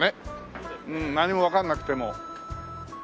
何もわかんなくても。